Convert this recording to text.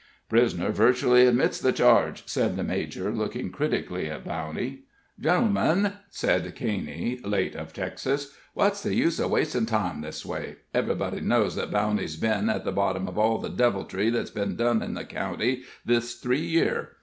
"Prisoner virtually admits the charge," said the major, looking critically at Bowney. "Gentlemen," said Caney, late of Texas, "what's the use of wastin' time this way? Everybody knows that Bowney's been at the bottom of all the deviltry that's been done in the county this three year.